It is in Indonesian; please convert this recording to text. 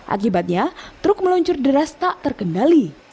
akibatnya truk meluncur deras tak terkendali